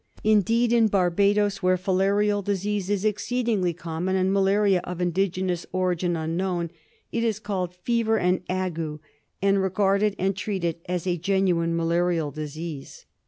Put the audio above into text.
Indeed, in Barbadoes, where filarial disease is exceedingly common and malaria of indigenous origin unknown, it is called '* Fever and Ague,'* and regarded and treated as a genuine malarial disease.